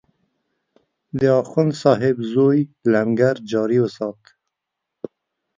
د اخندصاحب زوی لنګر جاري وسات.